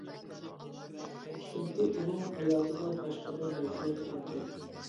چۈنكى ئۇنىڭ ھاياتىدا باشقا بىر نەرسىلەر كەمچىل.